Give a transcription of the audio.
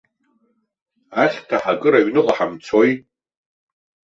Ахьҭа ҳакыр аҩныҟа ҳамцои.